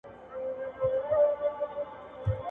په خره ئې وس نه رسېدی، پر پالانه ئې راواچول.